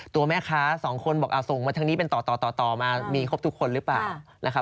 ตัวแม่ค้าสองคนบอกส่งมาทางนี้เป็นต่อมามีครบทุกคนหรือเปล่านะครับ